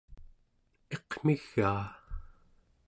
iqmigaa